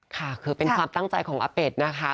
ค่ะคือเป็นความตั้งใจของอาเป็ดนะคะ